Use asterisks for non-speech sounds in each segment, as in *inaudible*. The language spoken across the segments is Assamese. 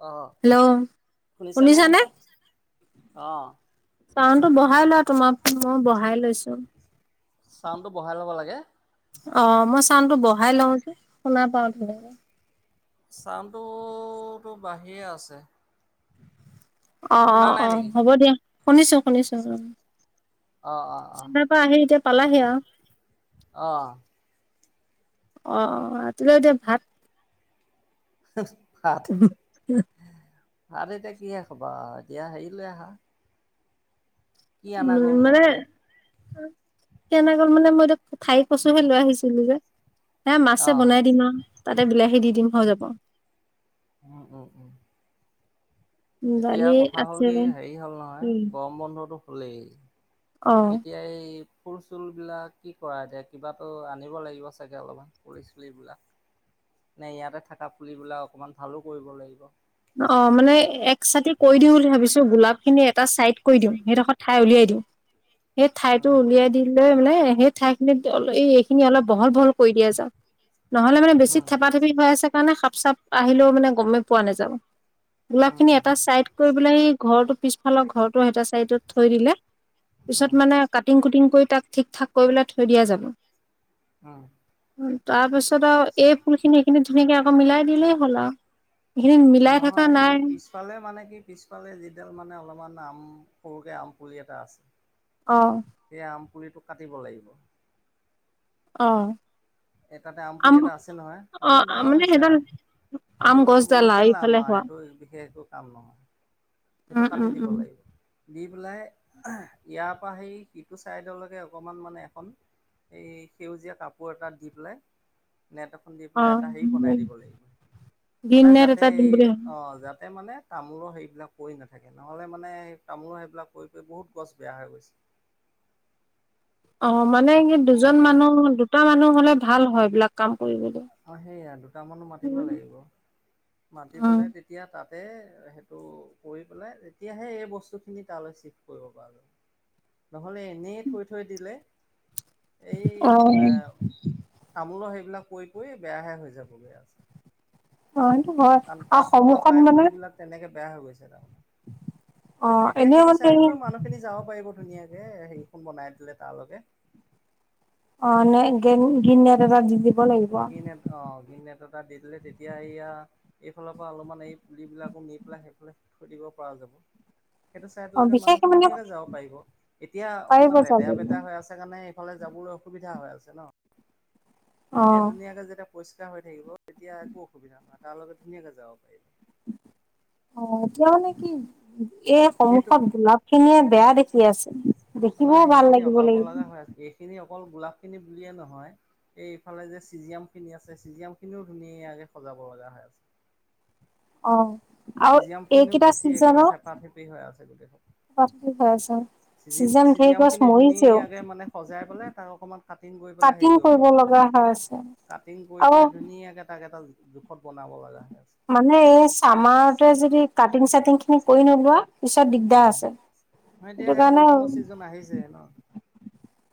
অঁ হেল্ল' শুনিছেনে শুনিছানে অঁ চাউনটো বহাই লোৱা তোমাক মু চাউনটো বঢ়াই ল'ব লাগে অ মই চাউনটো বঢ়াই লওঁ যে শুনা পাও ধুনীয়াকে চাউটোতো তো বাঢ়িয়ে আছে অ অ শুনা নাই অ নেকি হ'ব দিয়া শুনিছো শুনিছো ও অঁ অঁ অঁ চেনাইৰ পৰা আহি এতিয়া পালাহি আৰু অঁ অ অ ৰাতিপুৱাই এতিয়া ভাত হ উহ আৰু এতিয়া কিহে খবা এতিয়া হেৰি লৈ আহা ই উম আমাৰ গ'ল মানে নহয় এতিয়া কেনে গল মানে মই এইটো ঠাই কছোহে লৈ আহিছিলো যে। এ মাছে অঁ বনাই দিম আৰু তাতে বিলাহী দি দিম হৈ যাব। উম উম উম। এতিয়া দালি কথা হ'ল আছে কি হেৰি হ'ল নহয় উম। গৰম বন্ধতটো হলেই। অ' এতিয়া এই। ফুল চুলবিলাক কি কৰা এতিয়া কিবাতো আনিব লাগিব চাগে অলপমান ফুলি চুলিবিলাক। নে ইয়াতে থকা পুলিবিলাক অকমান ভালো কৰিব লাগিব। অ মানে এক চাতি কৈ দিওঁ বুলি ভাবিছো গোলাপ খিনি এটা চাইড। কৈ দিওঁ সেই ডোখৰ ঠাই উলিয়াই দিওঁ। সেই ঠাইতো উম উলিয়াই দিল। মানে সেই ঠাই খিনিত অল এই এইখিনি অলপ বহল বহল কৰি দিয়া যাওক। নহ'লে মানে বেছি উম থেপাথেপি হৈ আছে কাৰণে সাপ চাপ আহিলেও মানে গমেই পোৱা নাযাব। গোলাপ উম, খিনি উম, এটা চাইড কৰি পেলাই সি ঘৰটোৰ পিছফালৰ ঘৰটো সেটা চাইডত থৈ দিলে। উম, পিছত মানে কাটিং কুটিং কৰি তাক ঠিক ঠাক কৰিবলৈ থৈ দিয়া যাব। উম। তাৰ পিছত আৰু এই ফুল খিনি এখিনি ধুনীয়াকে আকৌ মিলাই দিলেই হ'ল আও এখিনি মিলাই। থকা নহয় নাই সেই পিছফালে মানে কি পিছফালে যিডাল মানে অলপমান আম। সৰুকে আম পুলি এটা আছে। অহ। সেই আম পুলিটো কাটিব লাগিব। অ এ তাতে আম আমপুলি এটা আছে নহয় অ', অলপমান ডাঙৰ মানে হৈছে সেইডাল আও। আম সেইটো গছডাল আৰু লোকেল আম ইফালে আ হোৱা সেইটো বিশেষ একো কাম নহয়। সেইটো উম, কাটি উম, দিব উম, লাগিব। দি পেলাই ইয়াৰ পৰা সেই সিটো ছাইডলৈকে অকণমান মানে এখন। এই সেউজীয়া কাপোৰ এটাত দি পেলাই। নেট এখন দি পেলাই এটা হেৰি বনাই অ'। দিব লাগিব। দিন মানে নে যাতে এটা দিম এই বুলি ভাব অ যাতে মানে তামোলৰ সেইবিলাক। পৰি নাথাকে নহ'লে মানে সেই তামোলো সেইবিলাক কৰি প বহুত গছ বেয়া হৈ গৈছে। *inaudible* অ মানে স গম দুজন পাইছানে মানুহ দুটা মানুহ হ'লে ভাল হয় এইবিলাক কাম। কৰিবলৈ অ সেয়া দুটামানো মাতিব উম লাগিব। মাতি অ পেলাই তেতিয়া তাত। তা সেইটো কৰি পেলাই তেতিয়াহে এই বস্তুখিনি তালৈ চিভ কৰিব পাৰ। নহলে এনেই থৈ থৈ দিলে। এই এ তামোলৰ সেইবিলাক কৰি। কে বেয়াহে হৈ যাব বেয়া আছে। হয়টো হয় কাৰণ আৰু তাত থকা সম্মুখত প্ৰায় মানে। পুলিবিলাক তেনেকে বেয়া হৈ গৈছে তাত অ তেতিয়া এনেও সেইটো মানে হেৰি চাইডলৈ মানুহ খিনি যাব পাৰিব ধুনীয়াকে এ হেৰিখন বনাই দিলে তালৈকে। অ নে গেন গিনদা দাদাক জিপে। গিনেপ অপ। বিনেটতাত দি দিলে তেতিয়া এইয়া এইফালৰ পৰা অলপমান এই পুলিবিলাকো নি পেলাই সেইফালে থৈ দিব। পৰা যাব। সেইটো অ চাইটলৈকে বিশেষকে মানুহখিনি মানে খিনিয়াকে ঢেৰ কে যাব পাৰিব এতিয়া পাৰিব অকনমান যাবলে লেতেৰা পেতেৰা হৈ আছে কাৰণে। ফালে যাবলৈ অসুবিধা হৈ আছে ন। অ তেতিয়া ধুনীয়াকে যেতিয়া পৰিষ্কাৰ হৈ থাকিব তেতিয়া একো অসুবিধা নহয় তাৰ লগে ধুনীয়াকে যাও। অ এতিয়া মানে কি এই সেইটো সন্মুখত গোলাপ খিনিয়ে বেয়া দেখ- সি আছে। দেখিবও নাই ভাল সেইখিনি লাগিব অঁতাব লাগিব লগা হয় এইখিনি অকল গোলাপ খিনি বুলিয়ে নহয়। এইফালে যে চিজিয়াম খিনি আছে চিজিয়াম খিনিও ধুনীয়াকে সজাব লগা হৈ আছে। অ আৰু চিজিয়াম খিনিও এইকেইটা বেছি একেবাৰে চিজনৰ থেপা থেপি হৈ আছে হৈ আছে গোটেই- চিজি ছিজন ধেৰ চিজিয়াম গছ খিনি মৰিছেও ধুনীয়াকে মানে সজাই পেলাই তাক অকণমান কাটিন কৰি পেলাই হেৰি কৰিব লাগে। হয়ছে কাটিং কৰি পেলাই ধুনীয়াকৈ তাক এটা জোখত বনাব লাগা হয়। মানে এই চামাৰতে যদি কাটিং চাটিং খিনি কৰি নোলোৱা। পিছত অ দিগদাৰ আছে। ন এতিয়া সেইটো সেই কাৰণে বৰষুণো ছিজন আহিছে ন।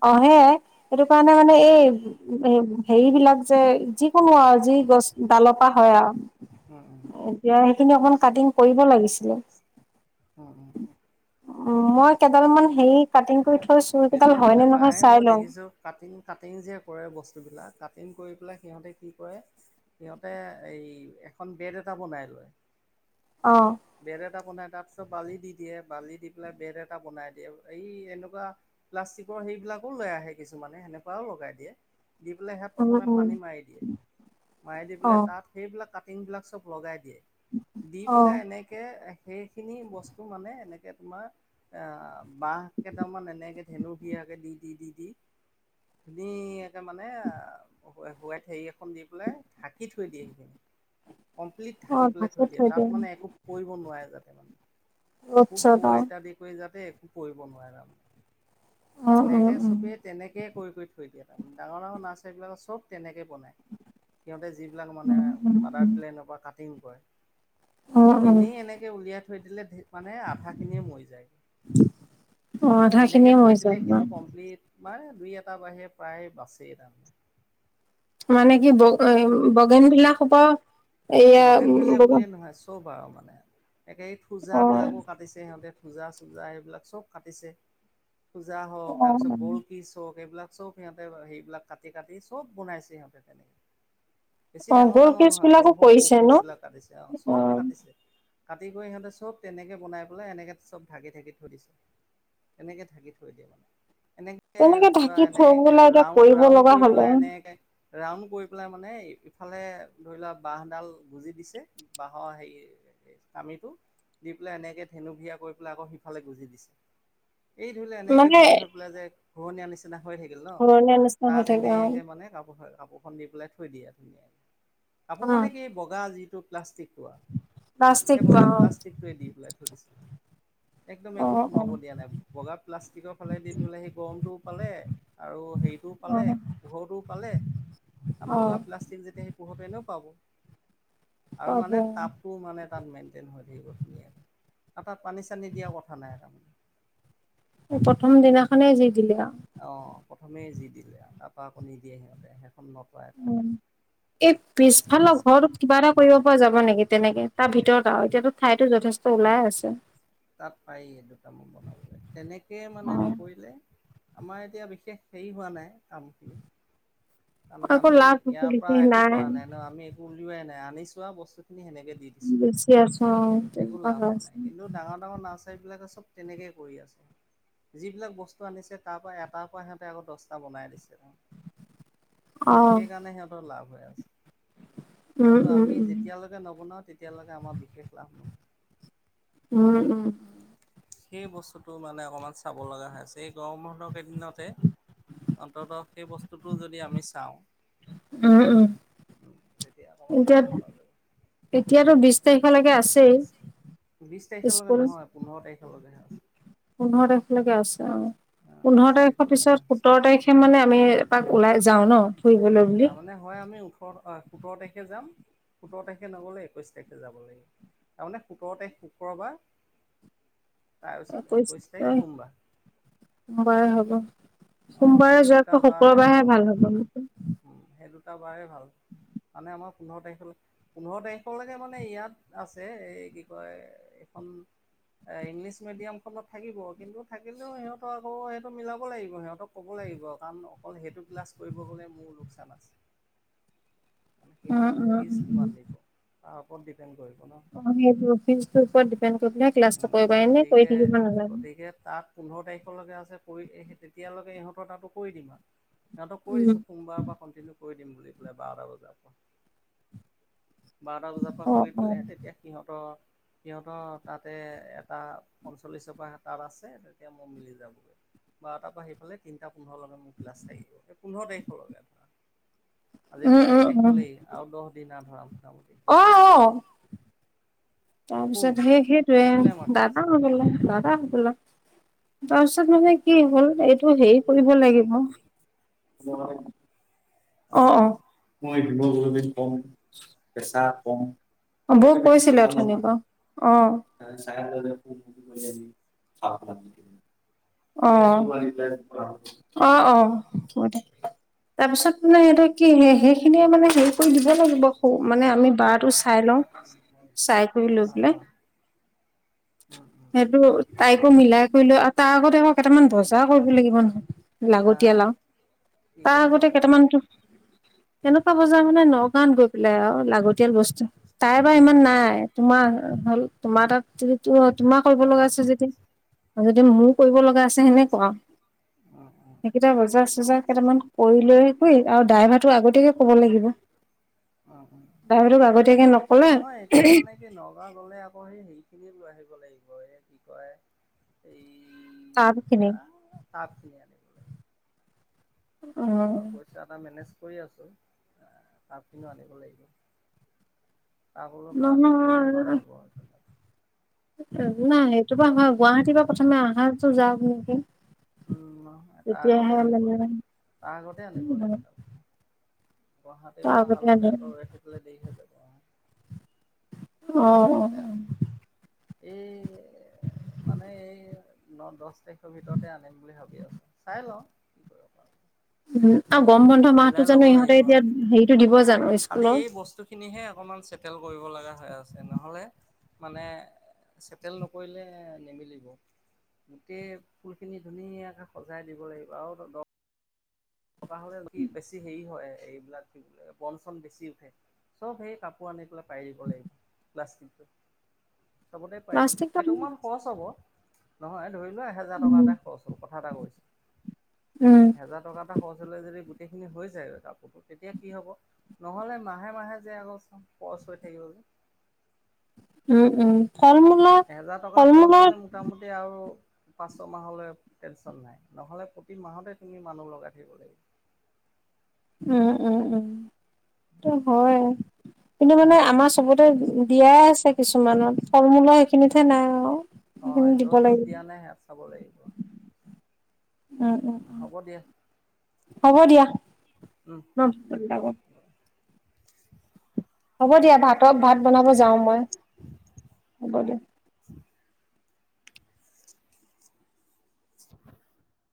অহে সেইটো কাৰণে মানে এই হেৰি বিলাক যে যিকোনো আৰু যি। গছ ডালৰ পা হ'য় আৰু। উম উম। সেই খিনি অকমান কাটিং কৰিব লাগিছিলে। উম, উম। উ মই কেইডাল মান হেৰি কাটিং কৰি থৈছো কেইডাল। এতিয়া মানে প্ৰায়ে মই দেখিছোঁ কাটিং কাটিং যে কৰে বস্তুবিলাক। কাটিং কৰি পেলাই সিহঁতে কি কৰে সিহঁতে এই এখন বেড এটা বনাই লয়। *unintelligible* অ। বে'দ এটা বনাই তাৰ পিছত বালি দি দিয়ে বালি দি পেলাই বে'দ এটা বনাই দিয়ে এই এনেকুৱা। প্লাষ্টিকৰ সেইবিলাকোও লৈ আহে কিছুমানে সেনেকুৱাও লগাই দিয়ে। দি পেলাই সে উম প্ৰথমে উম পানী মাৰি দিয়ে মাৰি দি অ পেলাই তাত সেইবিলাক কাট। বিলাক চব লগাই দিয়ে। দি অ পেলাই এনে। সেইখিনি বস্তু মানে এনেকে তোমাৰ এ বাঁহ কেইটামান এনেকে ধেনু। ধুনীয়াকে দি দি দি দি। মানে হুৱাইত হেৰি এখন দি পেলাই ঢাকি থৈ দিয়ে সেইখিনি। কমপ্লিট অ থঢাকি পেলাই ঢাকি থৈ দিয়ে তাত দিয়া মানে এক। কৰিব নোৱাৰে যাতে মানে ৰ'দ খুব চ'দ ক আৰু ইত্যাদি কৰি যাতে। পৰিব নোৱাৰে তমানে উম উম এনেকে উম চবেই তেনেকেই কৰি কৰি থৈ দিয়ে। তাৰ ডাঙৰ ডাঙৰ নাচাৰি বিলাক'ত চব তেনেকে। ব সিহঁতে যিবিলাক মানে উম মাডাৰ উম প্লেনৰ পৰা কাটিং কৰে। উম উম এনেই এনেকে উলিয়াই থৈ দিলে মানে আধা খিনিয়ে মৰি যায়। অ আধা তেনেকে খিনিয়ে মৰি থৈ দিলে যায় ন? কিন্তু কমপ্লিট মান। দুই এটা বাহিৰে প্ৰায় বাছেই তাৰমানে। মানে কি বগ বগেন বিলাক হ'পা। বগেন ভেলিয় বুলিয়ে নহয় চব আৰু। মানে একে অ থোজাবিলাকো কাটিছে সিহঁতে থোজা- চোজা সেইবিলাক চব কাটিছে। খূজা হওক, অ তাৰ পিছত গ'ল্ড কিচ হওক। এইবিলাক চব সিহঁতে সেইবিলাক কাটি কাটি চব বনাইছে সিহঁতে তেনেকে। অ গোল্ডকিছ বিলাকো কৰিছে। মোহ ন বিলাক কাটিছে অ চব কাটিছে। কাটি কৰি সিহঁতে চব তেনেকে বনাই পেলাই এনেকে চব ঢাকি ঢাকি থৈ দিছে। এনেকে থাকি থৈ দিয়ে। এনেকে তেনেকে পুৰা ঢাকি থৈ এনেকে পেলাই এতিয়া ৰাউন্ড কৰিব ৰাউন্ড লগা কৰি হলে পেলাই এনেকে। ৰাউন্ড কৰি পেলাই মানে ইফালে ধৰি লোৱা বাঁহডাল। গুজি দিছে বাঁহৰ হেৰি কামিটো। দি পেলাই এনেকে ধেনু ভিয়া কৰি পেলাই আকৌ সিফালে গুজি দিছে। এই ধৰিলে এনেকে মানে বেন হৈ পেলাই যে ঘূৰণীয়া নিচ। নিচিনা হৈ থাকিল ন ঘৰণীয়া নিচিনা হৈ তাত থাকে অ এনেকে মানে কাপোৰ কাপোৰখন দি পেলাই থৈ দিয়ে। অ কাপোৰ মানে কি বগা যিটো প্লাষ্টিক। প্লাষ্টিক সেই অ বগা প্লাষ্টিকোৱে দি পেলাই থৰিছে। একদম অ একো সোমাব দিয়া নাই বগা প্লাষ্টিকৰ ফালে দি ধলে সেই গৰমটোও পালে আৰু। হেৰিতটোও অ অ পালে, পোহৰৰতও পালে, কাৰণ অ বগা প্লাষ্টিক যেতিয়া। পোহতেনেও পাব আৰু পাব মানে তাপটো মানে। তাত মেইনটেইন হৈ থাকিব ধুনীয়াকৈ আৰু তাত পানী চানী দিয়াৰ কথা নাই তাৰমানে। প্ৰথম দিনাখনে যি দিলে আও। অ প্ৰথমে যি দিলে তাৰপৰা আকৌ নিদিয়ে সিহঁতে শেষ। উম এই পিছফালৰ ঘৰটোত কিবা এটা কৰিব। পৰা যাব নেকি তেনেকে তাৰ ভিতৰত আৰু এতিয়াতো ঠাইতো যথেষ্ট ওলাই আছে। তাত পায়েই দুটামান বনাবলৈ তেনেকে মানে অ নকৰিলে। আমাৰ এতিয়া বিশেষ হেৰি হোৱা নাই কামখিনি। কাৰ আকৌ আমি লাভ ইয়াৰ পৰা লিখি একো কৰা নাই ন আমি একো উলৱাই নাই আনিছো বস্তু। বেছি আছো ভাল আছো। ৰ নাৰ্চাৰী বিলাকে চব তেনেকে কৰি আছে। যিবিলাক বস্তু আনিছে তাৰ পৰা এটাৰ পৰা সিহঁতে আকৌ দস্তা বনাই দিছে। অ সেইকাৰণে সিহঁতৰ লাভ হৈ আছে। উম কিন্তু উম আমি যেতিয়ালৈকে নবনাও তেতিয়ালৈকে আমাৰ বিশেষ লাভ নহয়। উম উম। সেই বস্তুতটো মানে অকমান চাব লগা হৈ আছে এই গৰমৰ কেইদিনতে। অন্তত সেই বস্তুটো যদি আমি চাওঁ। উম উম তেতিয়া অকণমান এতিয়া কৰিব পৰা যাব। এতিয়াতো বিছ। তাৰিখলৈকে আছেই স্কুল। বজাই আছো। পোন্ধৰ তাৰিখলৈকে আছে অ অ পোন্ধৰ বিশ তাৰিখৰ তাৰিখলৈকে নাই। পিছত সোতৰ তাৰিখে মানে আমি এপাক। ওলাই যাওঁ ন। ফুৰিবলৈ বুলি তাৰমানে হয় আমি ওঠৰত অ। সোতৰ তাৰিখে যাম সোতৰ তাৰিখে নগ'লে একৈছ তাৰিখে যাব লাগিব। তাৰমানে সোতৰ তাৰিখ শুক্ৰবাৰ। তাৰপিছত একৈশ একৈছ তাৰিখ প্ৰাই সোমবাৰ সোমবাৰ হ'ব। অ সোমবাৰে সেই দুটা যোৱাতকৈ বাৰতে শুকুৰবাৰহে ভাল হ'ব তাৰমানে। নেকি। উম সেই দুটা বাৰে ভাল। মানে আমাৰ পোন্ধৰ তাৰিখলৈ পোন্ধৰ তাৰিখলৈকে মানে ইয়াত আছে এই কি কয়। কম। এ ইংলিছ মিডিয়াম খনত থাকিব কিন্তু থাকিলেও সিহঁতক আকৌ সিহটো মিলাব লাগিব সিহঁত। তক ক'ব লাগিব কাৰণ অকল সেইটো ক্লাছ কৰিব গ'লে মোৰ লোকচান আছে। মানে সিহঁতে উম মোক উম ফিজ উম উম কিমান দিব, তাৰ ওপৰত ডিপেণ্ড কৰিব। ন অ সেইটো ফিজ তোৰ ওপৰত ডিপেণ্ড কৰি পেলাই ক্লাছটো উম, কৰিবা এনে কৰি গতিকে থাকিব নালাগে গতিকে তাত পোন্ধৰ তাৰিখলৈকে আ যে কৰি এহেতে তেতিয়ালৈকে ইহঁতৰ কামটো কৰি দিম আৰু, তাহাতক কৈ উম দিছোঁ সোমবাৰৰপৰা কনটিনিও কৰি দিম বুলি পেলাই বাৰটা বজাৰ পৰা। বাৰটা বজাৰ পৰা অ কৰি অ দিলে তেতিয়া সিহঁতৰ সিহঁতৰ। তাতে এটা পঞ্চল্লিছৰ পৰা তাত আছে তেতিয়া মই মিলি যাবগৈ। বাৰটা পৰা আহিফালে তিনিটা পোন্ধৰলৈকে মোৰ ক্লাছ থাকিব এই পোন্ধৰ তাৰিখলৈকে ধৰা। আজিতু উম চাৰি তাৰিখ উম উম হলেই আৰু দহ দিন ধৰা মোটামুটি। অ অ। কোন তাৰপিছত সেই কোনে সেইটয়ে মাতি আছে? দাদা হৈ গোলে দাদা হৈ গল। তাৰপিছত মানে কি হ'ল এইটো হেৰি কৰিব লাগিব। অ অ। মই ভিম বিন কম কেঁচা কম। বৌক কৈছিলে অথনি পৰা অ। চফ নক *unintelligible* অ অ অ তাৰপিছত। মানে সটো কি সেইখিনিয়ে মানে হেৰি কৰি দিব লাগিব আকৌ মানে আমি বাৰটো চাই লওঁ। চাই কৰি লৈ অ', পলে। অ', *unintelligible* সেইটো তাইকো মিলাই কৰি লৈ আৰু তাৰ আগতে আকৌ কেইটামান বজা কৰিব লাগিব নহয়। হা হা লাগতিয়ালা কি নহয় তাৰ কেনেকুৱা আগতে কৰিছে? কেইটামান। *unintelligible* তেনেকুৱা বজাৰ মানে নগাঁৱত গৈ পেলাই আৰু লাগতিয়াল বস্তু তাই বা ইমান নাই তোমাৰ। হল তোমাৰ তাত যদি তোমাৰ কৰিব লগা উম, আছে যদি আৰু যদি মোৰ কৰিব লগা আছে সেনেকুৱা উম, উম, উম, সেইকেইটা বজাৰ- চজাৰ কেইটামান কৰি লৈ আৰু ড্ৰাইভাৰটো আগতীয়াকে ক'ব লাগিব, উম, উম। ড্ৰাইভাৰটো আগতে নহয় এতিয়া মানে কি নগাঁও গলে আকৌ সেই হেৰি খিনিয় লৈ আহিব লাগি উম তাপ খিনি তেইটা তাপ চিনি আনিব লাগিব। অ পইচা এটা মেনেজ কৰি আছোঁ, শাক পিনো আনিব লাগিব। শাক অলপো আনি থলে ভাল হ'ব আৰু তেনে। একো নাই সেইটো পৰা হয় গুৱাহাটীৰ পৰা প্ৰথমে আহা যাও নেকি। উম নয় তাৰ তেতিয়াহে আগতে আনিব লাগিব, মানে তাৰ আগতে আনিব লাগিব তাৰ তাৰ গুৱাহাটীৰ পৰা আগতে অহালৈকে আনে আকৌ ৰৈ থাকিলে দেৰি হৈ যায় গুৱাহাটী অহ এ মানে এই ন- দশ তাৰিখৰ ভিতৰতে আনিম বুলি ভাবি আছো চাই লওঁ। উম আৰু গৰম বন্ধ মিলাই মাহতটো ল'ব জানো ইহঁতে লাগিব। এতিয়া হেৰিটো দিব জানো খালি স্কুলৰ? এই বস্তুখিনিহে অকণমান চেটেল কৰিব লাগা হৈ আছে নহ'লে মানে চেটেল নকৰিলে নিমিলিব। গোটেই ফুলখিনি ধুনীয়াকে সজাই দিব লাগিব আৰু দ থকা হ'লে কি বেছি হেৰি হয় এইবিলাক কি বোলে বন চন -বেচি উঠে। চব সেই কাপোৰ আনি পেলাই পাই দিব লাগিব প্লাষ্টিকটো। চবতে পাই দিম প্লাষ্টিকটো আমি কেইটকমান খৰচ হ'ব নহয়। তুমি বা এক হাজাৰ উম, টকাকে খৰচ হ কথা এটা কৈছোঁ, উম, হেজাৰ টকা বুলে যদি গোটেইখিনি হৈ যায় কাপোৰো তেতিয়া কি হব নহলে মাহে মাহে যে আকৌ পচ কৈ থাকিবলে উম উম। ফল এ মূলৰ এহেজাৰ টকা ফল খৰচ মূলৰ হলে মোটামুটি আও পাঁচ ছ মাহলৈ টেনছন নাই নহলে প্ৰতি মাহতে তুমি মানুহ লগাই থাকিব লাগিব। *inaudible* উম উম উম হয়- কিন্তু মানে আমাৰ চবতে বিয়াই আছে কিছুমানৰ ফল মূলৰ সেইখিনিতহে নাই আও। অ য'ত য'ত দিয়া নাই সে চাব লাগিব। উম উম উম, হ'ব দিয়া হ'ব দিয়া। উম ন, উম উম হ'ব দিয়া ভাতক ভাত বনাব যাওঁ মই, হ'ব দিয়া। *inaudible*